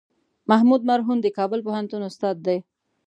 محمود مرهون د کابل پوهنتون استاد دی.